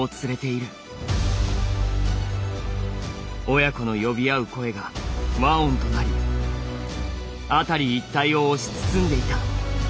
親子の呼び合う声が和音となりあたり一帯を押し包んでいた。